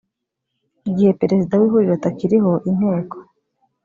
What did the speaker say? igihe perezida w ihuriro atakiriho inteko